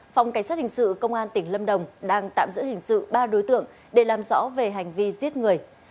phòng cảnh sát hình sự công an tỉnh lâm đồng đang tạm giữ hình sự ba đối tượng để làm rõ về hành vi giết người